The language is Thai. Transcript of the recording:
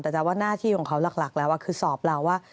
แต่จะว่าหน้าที่ของเขาหลักแล้วคือสอบเราว่า